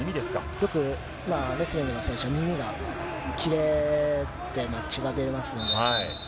よく、レスリングの選手は耳が切れて、血が出ますので。